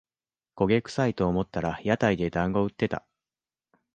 焦げくさいと思ったら屋台でだんご売ってた